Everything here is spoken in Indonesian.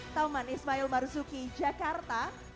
taman ismail marzuki jakarta